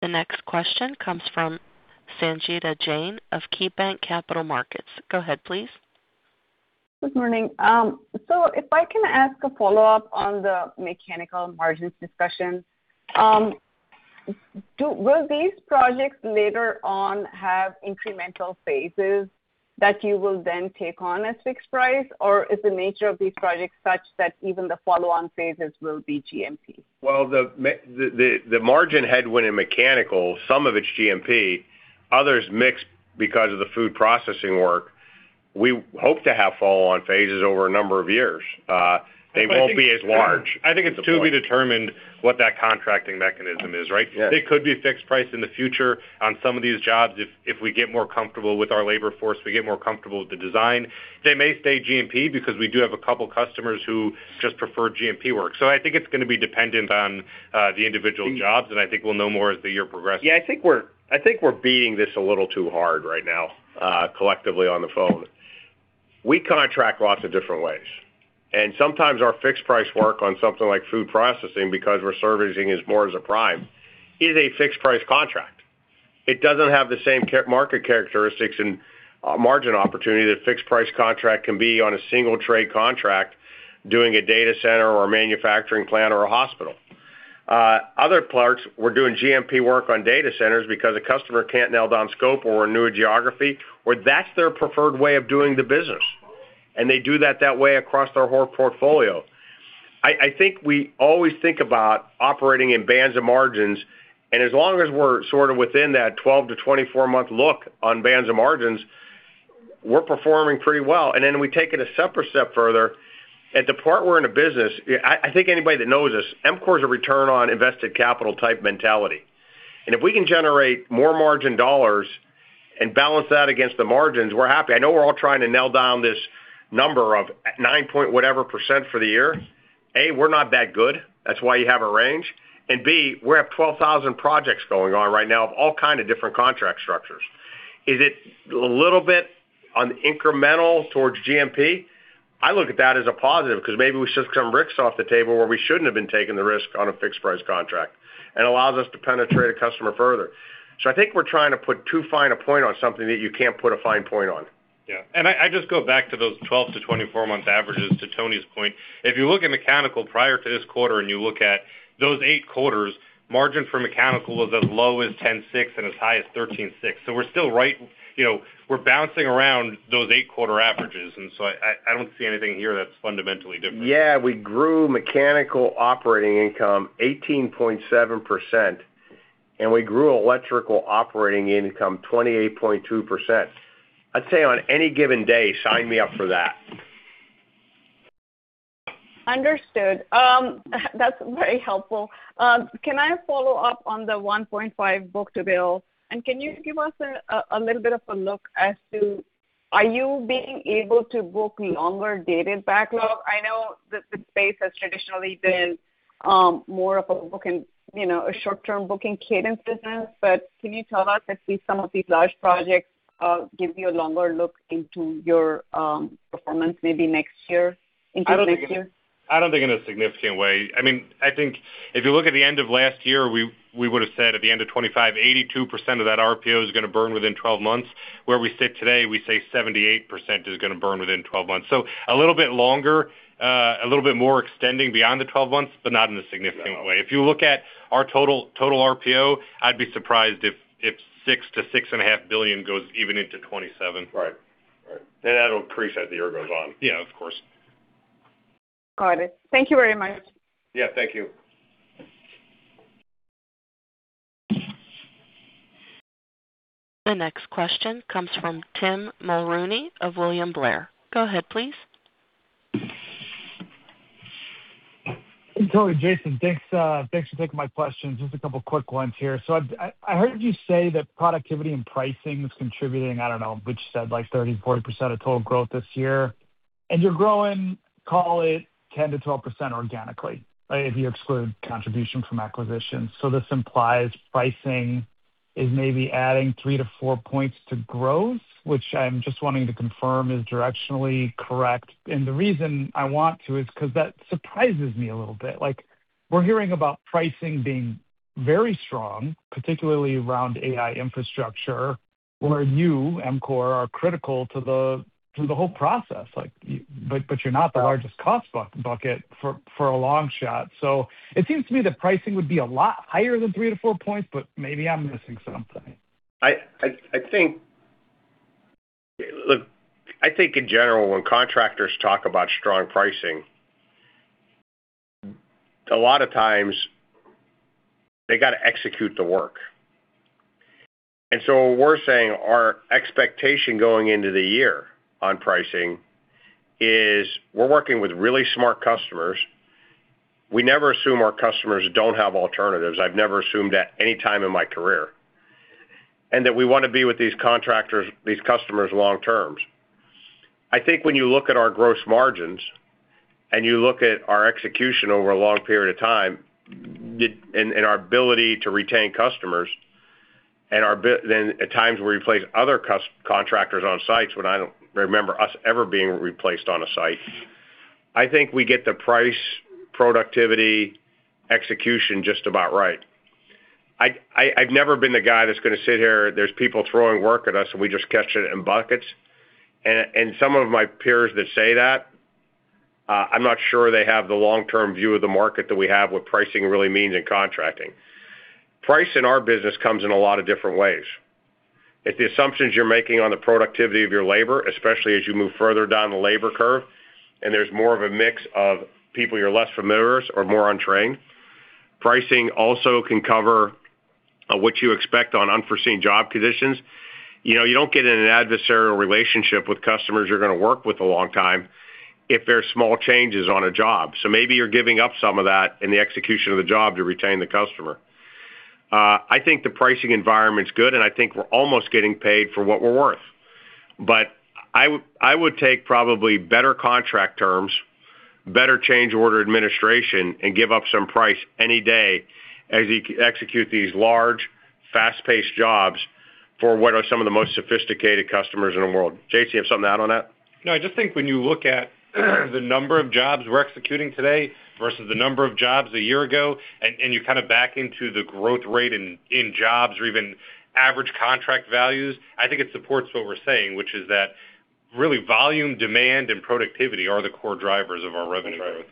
The next question comes from Sangita Jain of KeyBanc Capital Markets. Go ahead, please. Good morning. If I can ask a follow-up on the mechanical margins discussion. Will these projects later on have incremental phases that you will then take on as fixed price? Is the nature of these projects such that even the follow-on phases will be GMP? Well, the margin headwind in mechanical, some of it's GMP, other's mix because of the food processing work. We hope to have follow-on phases over a number of years. They won't be as large. I think it's to be determined what that contracting mechanism is, right? Yes. They could be fixed price in the future on some of these jobs if we get more comfortable with our labor force, we get more comfortable with the design. They may stay GMP because we do have two customers who just prefer GMP work. I think it's gonna be dependent on the individual jobs, and I think we'll know more as the year progresses. Yeah, I think we're beating this a little too hard right now, collectively on the phone. We contract lots of different ways, and sometimes our fixed price work on something like food processing, because we're servicing it more as a prime, is a fixed price contract. It doesn't have the same market characteristics and margin opportunity that a fixed price contract can be on a single trade contract doing a data center or a manufacturing plant or a hospital. Other parts, we're doing GMP work on data centers because a customer can't nail down scope or renew a geography, or that's their preferred way of doing the business, and they do that that way across their whole portfolio. I think we always think about operating in bands of margins, and as long as we're sort of within that 12-month-24-month look on bands of margins, we're performing pretty well. Then we take it a separate step further. At the part we're in the business, I think anybody that knows us, EMCOR's a return on invested capital type mentality. If we can generate more margin dollars and balance that against the margins, we're happy. I know we're all trying to nail down this number of nine-point whatever% for the year. A, we're not that good. That's why you have a range. B, we have 12,000 projects going on right now of all kind of different contract structures. Is it a little bit on incremental towards GMP? I look at that as a positive because maybe we shoved some risks off the table where we shouldn't have been taking the risk on a fixed price contract, and allows us to penetrate a customer further. I think we're trying to put too fine a point on something that you can't put a fine point on. Yeah. I just go back to those 12-month-24-month month averages, to Tony's point. If you look at mechanical prior to this quarter and you look at those eight quarters, margin for mechanical was as low as 10.6% and as high as 13.6%. We're still right. You know, we're bouncing around those eight quarter averages. I, I don't see anything here that's fundamentally different. Yeah, we grew mechanical operating income 18.7%, and we grew electrical operating income 28.2%. I'd say on any given day, sign me up for that. Understood. That's very helpful. Can I follow up on the 1.5 book-to-bill? Can you give us a little bit of a look as to are you being able to book longer dated backlog? I know that the space has traditionally been more of a booking, you know, a short-term booking cadence business. Can you tell us if some of these large projects give you a longer look into your performance maybe into next year? I don't think in a significant way. I mean, I think if you look at the end of last year, we would've said at the end of 2025, 82% of that RPO is gonna burn within 12 months. Where we sit today, we say 78% is gonna burn within 12 months. A little bit longer, a little bit more extending beyond the 12 months, but not in a significant way. If you look at our total RPO, I'd be surprised if $6 billion-$6.5 billion goes even into 2027. Right. That'll increase as the year goes on. Yeah, of course. Got it. Thank you very much. Yeah, thank you. The next question comes from Tim Mulrooney of William Blair. Go ahead, please. Tony, Jason, thanks for taking my questions. Just a couple quick ones here. I heard you say that productivity and pricing is contributing, I don't know, Mitch said, like, 30%-40% of total growth this year. You're growing, call it, 10%-12% organically, if you exclude contribution from acquisitions. This implies pricing is maybe adding 3-4 points to growth, which I'm just wanting to confirm is directionally correct. The reason I want to is 'cause that surprises me a little bit. Like, we're hearing about pricing being very strong, particularly around AI infrastructure, where you, EMCOR, are critical to the whole process. Like, but you're not the largest cost bucket for a long shot. It seems to me that pricing would be a lot higher than 3-4 points, but maybe I'm missing something. Look, I think in general, when contractors talk about strong pricing, a lot of times they gotta execute the work. We're saying our expectation going into the year on pricing is we're working with really smart customers. We never assume our customers don't have alternatives. I've never assumed that any time in my career. That we wanna be with these contractors, these customers long term. I think when you look at our gross margins and you look at our execution over a long period of time, and our ability to retain customers, then at times we replace other contractors on sites, when I don't remember us ever being replaced on a site. I think we get the price, productivity, execution just about right. I've never been the guy that's gonna sit here, there's people throwing work at us, and we just catch it in buckets. Some of my peers that say that, I'm not sure they have the long-term view of the market that we have, what pricing really means in contracting. Price in our business comes in a lot of different ways. If the assumptions you're making on the productivity of your labor, especially as you move further down the labor curve, there's more of a mix of people you're less familiar with or more untrained. Pricing also can cover what you expect on unforeseen job conditions. You know, you don't get in an adversarial relationship with customers you're gonna work with a long time if there are small changes on a job. Maybe you're giving up some of that in the execution of the job to retain the customer. I think the pricing environment's good, and I think we're almost getting paid for what we're worth. I would take probably better contract terms, better change order administration, and give up some price any day as you execute these large, fast-paced jobs for what are some of the most sophisticated customers in the world. JC, you have something to add on that? No, I just think when you look at the number of jobs we're executing today versus the number of jobs a year ago, and you kinda back into the growth rate in jobs or even average contract values, I think it supports what we're saying, which is that really volume, demand, and productivity are the core drivers of our revenue growth.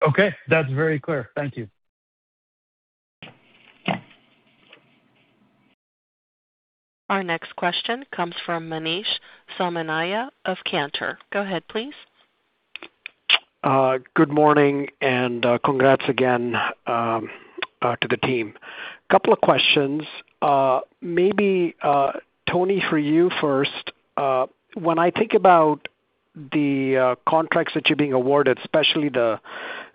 That's right. Okay. That's very clear. Thank you. Our next question comes from Manish Somaiya of Cantor. Go ahead, please. Good morning and congrats again to the team. Couple of questions. Maybe Tony, for you first. When I think about the contracts that you're being awarded, especially the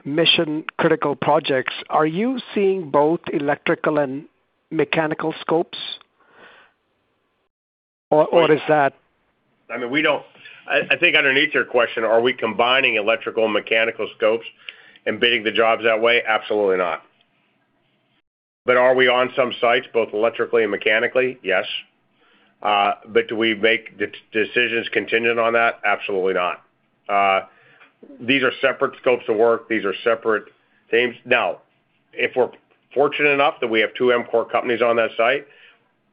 mission-critical projects, are you seeing both electrical and mechanical scopes? Or is that- I mean, I think underneath your question, are we combining electrical and mechanical scopes and bidding the jobs that way? Absolutely not. Are we on some sites, both electrically and mechanically? Yes. Do we make decisions contingent on that? Absolutely not. These are separate scopes of work. These are separate teams. If we're fortunate enough that we have two EMCOR companies on that site,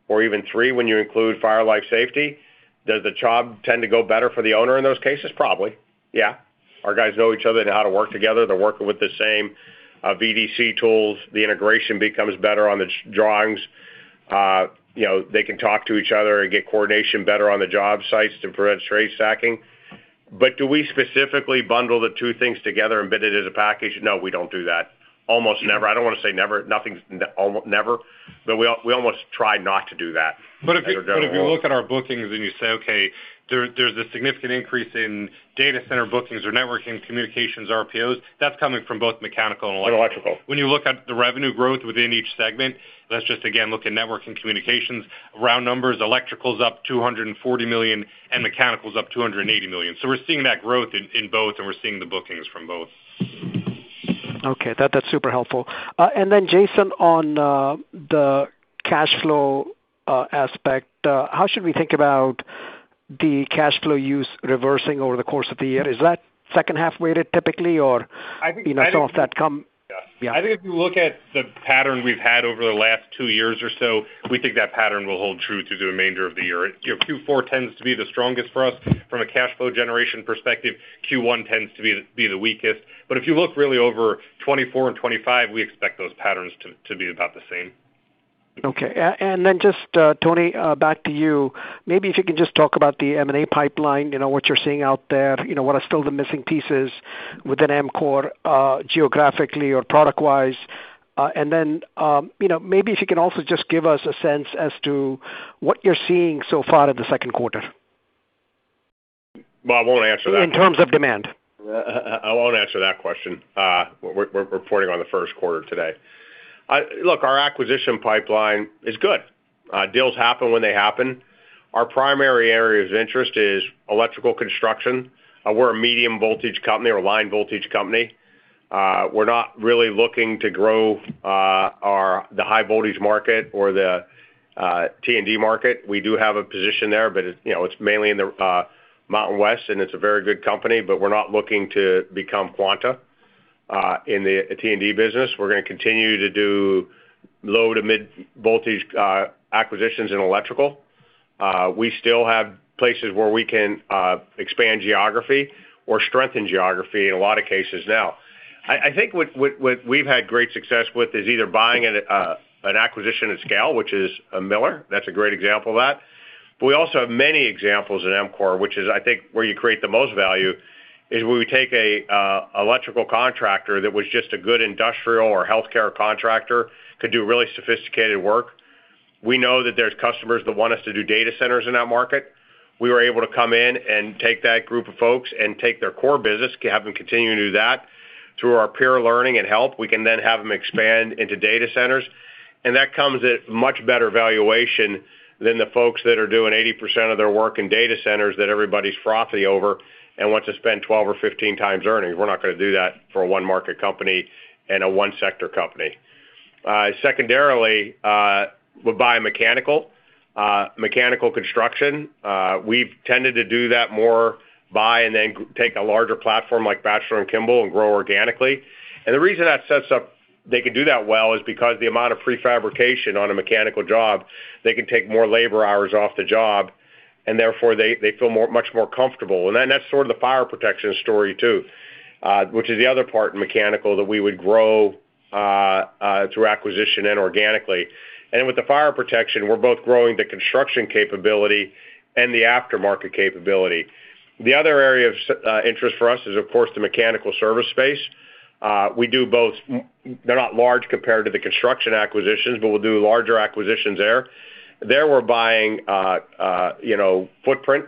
or even three when you include Fire Life Safety, does the job tend to go better for the owner in those cases? Probably, yeah. Our guys know each other. They know how to work together. They're working with the same VDC tools. The integration becomes better on the drawings. You know, they can talk to each other and get coordination better on the job sites to prevent trade stacking. Do we specifically bundle the two things together and bid it as a package? No, we don't do that. Almost never. I don't wanna say never. Nothing's never, but we almost try not to do that as a general rule. If you look at our bookings and you say, okay, there's a significant increase in data center bookings or networking communications RPOs, that's coming from both mechanical and electrical. Electrical. When you look at the revenue growth within each segment, let's just again look at network and communications. Round numbers, electrical's up $240 million, and mechanical's up $280 million. We're seeing that growth in both, and we're seeing the bookings from both. Okay. That's super helpful. Jason, on the cash flow aspect, how should we think about the cash flow use reversing over the course of the year? Is that second half-weighted typically, or? I think- You know, saw that. Yeah. Yeah. I think if you look at the pattern we've had over the last two years or so, we think that pattern will hold true through the remainder of the year. You know, Q4 tends to be the strongest for us from a cash flow generation perspective. Q1 tends to be the weakest. If you look really over 2024 and 2025, we expect those patterns to be about the same. Okay. Then just, Tony, back to you. Maybe if you can just talk about the M&A pipeline, you know, what you're seeing out there, you know, what are still the missing pieces within EMCOR, geographically or product-wise. Then, you know, maybe if you can also just give us a sense as to what you're seeing so far in the Q2. Well, I won't answer that. In terms of demand. I won't answer that question. We're reporting on the Q1 today. Look, our acquisition pipeline is good. Deals happen when they happen. Our primary area of interest is electrical construction. We're a medium voltage company or line voltage company. We're not really looking to grow the high voltage market or the T&D market. We do have a position there, but it, you know, it's mainly in the Mountain West, and it's a very good company, but we're not looking to become Quanta in the T&D business. We're gonna continue to do low to mid voltage acquisitions in electrical. We still have places where we can expand geography or strengthen geography in a lot of cases now. I think what we've had great success with is either buying at a an acquisition at scale, which is a Miller. That's a great example of that. We also have many examples at EMCOR, which is, I think, where you create the most value, is where we take a electrical contractor that was just a good industrial or healthcare contractor, could do really sophisticated work. We know that there's customers that want us to do data centers in that market. We were able to come in and take that group of folks and take their core business, have them continue to do that. Through our peer learning and help, we can then have them expand into data centers. That comes at much better valuation than the folks that are doing 80% of their work in data centers that everybody's frothy over and want to spend 12x or 15x earnings. We're not gonna do that for a one-market company and a one-sector company. Secondarily, we'll buy mechanical construction. We've tended to do that more, buy and then take a larger platform like Batchelor & Kimball and grow organically. The reason that sets up, they can do that well is because the amount of prefabrication on a mechanical job, they can take more labor hours off the job, and therefore they feel much more comfortable. That's sort of the fire protection story too, which is the other part in mechanical that we would grow through acquisition and organically. With the fire protection, we're both growing the construction capability and the aftermarket capability. The other area of interest for us is, of course, the mechanical service space. We do both. They're not large compared to the construction acquisitions, but we'll do larger acquisitions there. There we're buying, you know, footprint.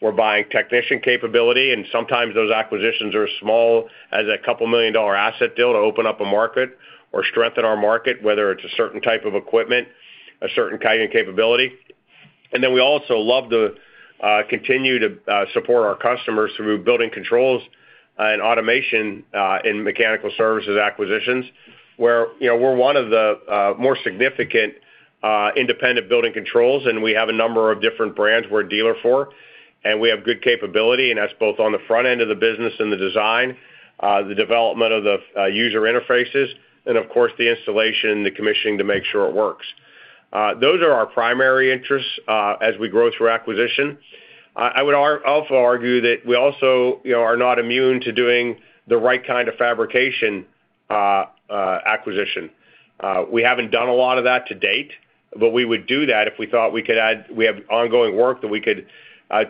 We're buying technician capability, and sometimes those acquisitions are as small as a $2 million asset deal to open up a market or strengthen our market, whether it's a certain type of equipment, a certain kind of capability. We also love to continue to support our customers through building controls and automation in mechanical services acquisitions, where, you know, we're one of the more significant independent building controls, and we have a number of different brands we're a dealer for, and we have good capability, and that's both on the front end of the business in the design, the development of the user interfaces, and of course the installation and the commissioning to make sure it works. Those are our primary interests as we grow through acquisition. I would also argue that we also, you know, are not immune to doing the right kind of fabrication acquisition. We haven't done a lot of that to date, but we would do that if we thought we could add. We have ongoing work that we could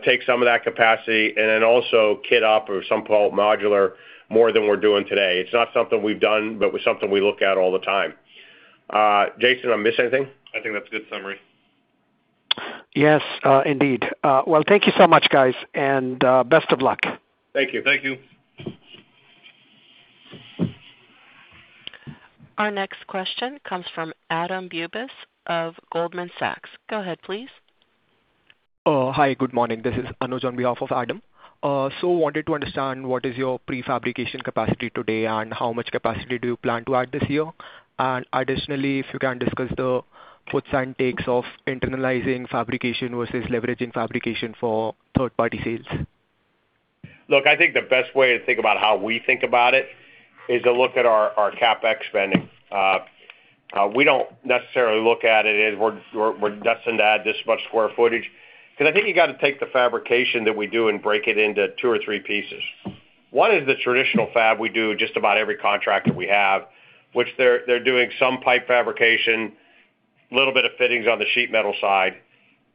take some of that capacity and then also kit up or some call it modular more than we're doing today. It's not something we've done, but it's something we look at all the time. Jason, did I miss anything? I think that's a good summary. Yes, indeed. Well, thank you so much, guys, and, best of luck. Thank you. Thank you. Our next question comes from Adam Bubes of Goldman Sachs. Go ahead, please. Hi, good morning. This is Anuj on behalf of Adam. Wanted to understand what is your prefabrication capacity today, and how much capacity do you plan to add this year? Additionally, if you can discuss the puts and takes of internalizing fabrication versus leveraging fabrication for third-party sales. I think the best way to think about how we think about it is to look at our CapEx spending. We don't necessarily look at it as we're destined to add this much square footage because I think you got to take the fabrication that we do and break it into two or three pieces. One is the traditional fab we do just about every contract that we have, which they're doing some pipe fabrication, little bit of fittings on the sheet metal side,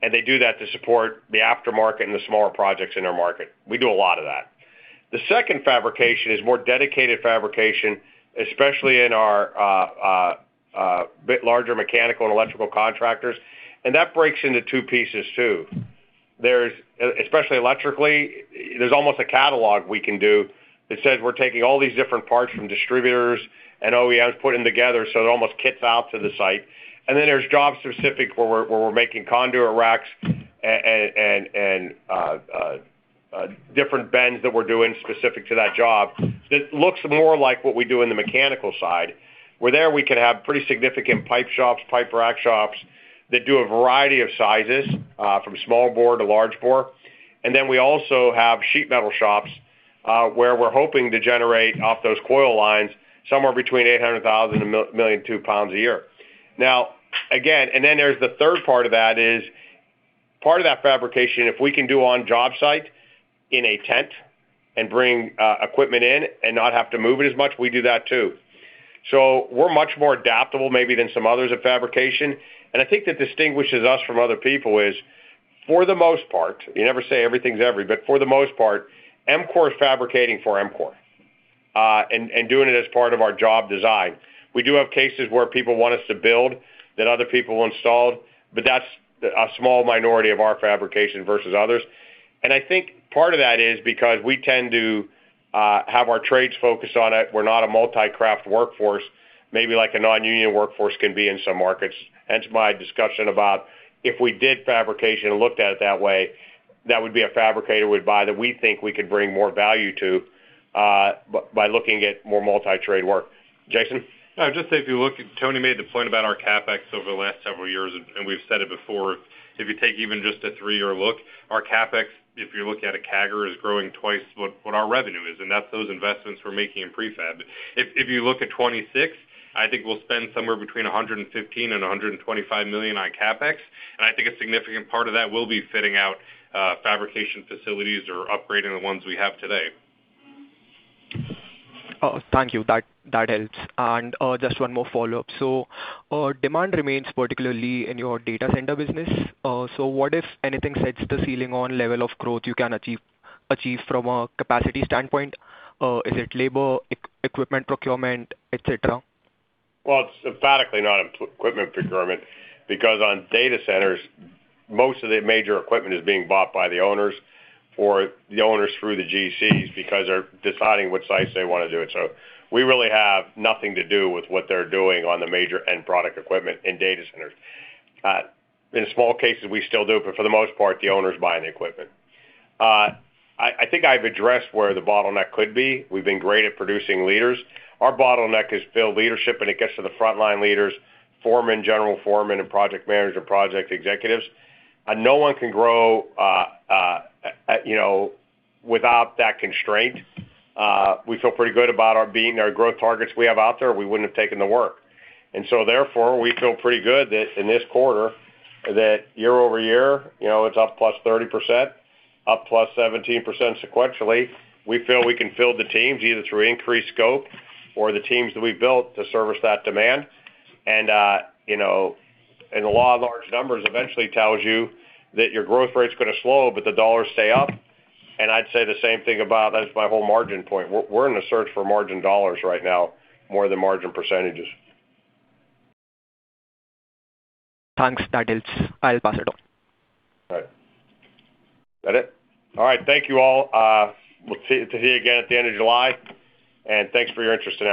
and they do that to support the aftermarket and the smaller projects in their market. We do a lot of that. The second fabrication is more dedicated fabrication, especially in our bit larger mechanical and electrical contractors, and that breaks into two pieces too. There's especially electrically, there's almost a catalog we can do that says we're taking all these different parts from distributors and OEMs, putting them together, so it almost kits out to the site. Then there's job specific where we're making conduit racks and different bends that we're doing specific to that job that looks more like what we do in the mechanical side, where there we can have pretty significant pipe shops, pipe rack shops that do a variety of sizes from small bore to large bore. Then we also have sheet metal shops where we're hoping to generate off those coil lines somewhere between 800,000 lbs and 1,200,000 lbs a year. Now, again, there's the third part of that is part of that fabrication, if we can do on job site in a tent and bring equipment in and not have to move it as much, we do that too. We're much more adaptable maybe than some others at fabrication, and I think that distinguishes us from other people is, for the most part, you never say everything's every, but for the most part, EMCOR is fabricating for EMCOR and doing it as part of our job design. We do have cases where people want us to build that other people installed, but that's a small minority of our fabrication versus others. I think part of that is because we tend to have our trades focused on it. We're not a multi-craft workforce, maybe like a non-union workforce can be in some markets. Hence my discussion about if we did fabrication and looked at it that way, that would be a fabricator we'd buy that we think we could bring more value to, by looking at more multi-trade work. Jason? No, just if you look, Tony made the point about our CapEx over the last several years, and we've said it before. If you take even just a three-year look, our CapEx, if you're looking at a CAGR, is growing twice what our revenue is, and that's those investments we're making in prefab. If you look at 2026, I think we'll spend somewhere between $115 million and $125 million on CapEx, and I think a significant part of that will be fitting out fabrication facilities or upgrading the ones we have today. Thank you. That helps. Just one more follow-up. Demand remains particularly in your data center business. What, if anything, sets the ceiling on level of growth you can achieve from a capacity standpoint? Is it labor, equipment procurement, et cetera? Well, it's emphatically not equipment procurement because on data centers, most of the major equipment is being bought by the owners or the owners through the GCs because they're deciding which sites they wanna do it. We really have nothing to do with what they're doing on the major end product equipment in data centers. In small cases, we still do, but for the most part, the owner's buying the equipment. I think I've addressed where the bottleneck could be. We've been great at producing leaders. Our bottleneck is field leadership, and it gets to the frontline leaders, foremen, general foremen, and project managers or project executives. No one can grow, you know, without that constraint. We feel pretty good about our beating our growth targets we have out there. We wouldn't have taken the work. Therefore, we feel pretty good that in this quarter that year-over-year, you know, it's up plus 30%, up plus 17% sequentially. We feel we can fill the teams either through increased scope or the teams that we've built to service that demand. You know, the law of large numbers eventually tells you that your growth rate's going to slow, but the dollars stay up. I'd say the same thing about. That's my whole margin point. We're in the search for margin dollars right now more than margin percentages. Thanks. That helps. I'll pass it on. All right. Is that it? All right. Thank you all. We'll see you again at the end of July. Thanks for your interest today.